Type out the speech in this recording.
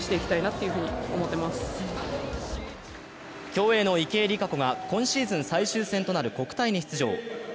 競泳の池江璃花子が今シーズン最終戦となる国体に出場。